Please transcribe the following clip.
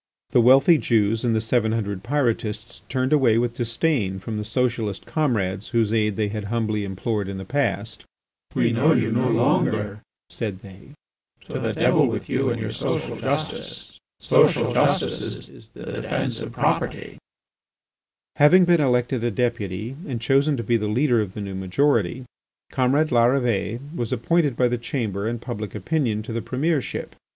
The wealthy Jews and the seven hundred Pyrotists turned away with disdain from the socialist comrades whose aid they had humbly implored in the past. "We know you no longer," said they. "To the devil with you and your social justice. Social justice is the defence of property." Having been elected a Deputy and chosen to be the leader of the new majority, comrade Larrivée was appointed by the Chamber and public opinion to the Premiership.